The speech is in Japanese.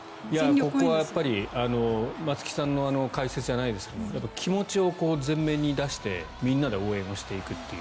ここはやっぱり松木さんの解説じゃないですが気持ちを前面に出してみんなで応援をしていくと。